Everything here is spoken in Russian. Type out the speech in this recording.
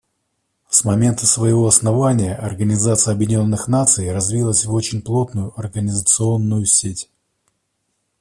С момента своего основания Организация Объединенных Наций развилась в очень плотную организационную сеть.